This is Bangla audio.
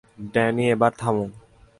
ড্যানি, এবার থামো।